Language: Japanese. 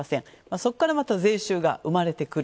そこからまた税収が生まれてくる。